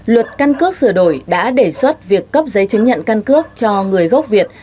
luật căn cước sửa đổi đã đề xuất việc cấp giấy chứng nhận căn cước cho người gốc việt